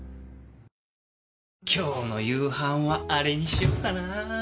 今日の夕飯はアレにしようかな。